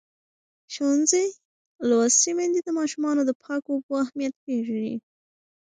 ښوونځې لوستې میندې د ماشومانو د پاکو اوبو اهمیت پېژني.